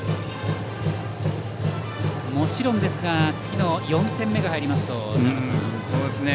もちろんですが次の４点目が入りますと。